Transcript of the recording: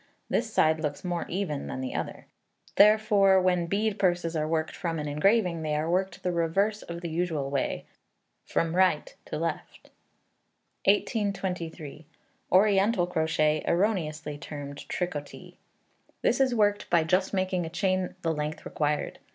This side looks more even than the other: therefore, when bead purses are worked from an engraving, they are worked the reverse of the usual way, viz., from right to left. 1823. Oriental Crochet erroneously termed Tricotee. This is worked by just making a chain the length required.